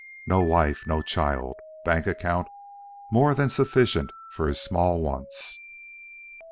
No wife, no child. Bank account more than sufficient for his small wants.